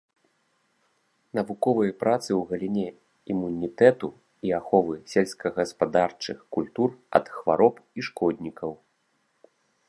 Навуковыя працы ў галіне імунітэту і аховы сельскагаспадарчых культур ад хвароб і шкоднікаў.